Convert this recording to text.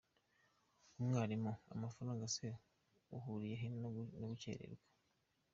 Umwarimu : Amafaranga se ahuriyehe no gukererwa ?.